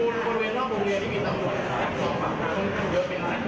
ยังไม่มีฝ่ายกล้องในมือครับแต่ว่าก็บอกว่ายังไม่มีฝ่ายกล้อง